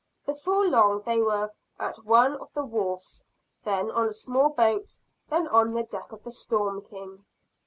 Before long they were at one of the wharves; then on a small boat then on the deck of the "Storm King."